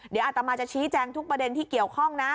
เดี๋ยวอาตมาจะชี้แจงทุกประเด็นที่เกี่ยวข้องนะ